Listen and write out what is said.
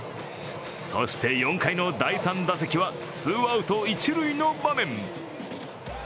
そして４回の第３打席はツーアウト、一塁の場面。